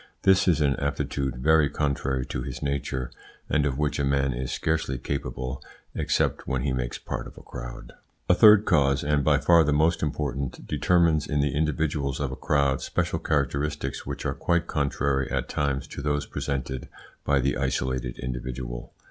This is an aptitude very contrary to his nature, and of which a man is scarcely capable, except when he makes part of a crowd. A third cause, and by far the most important, determines in the individuals of a crowd special characteristics which are quite contrary at times to those presented by the isolated individual.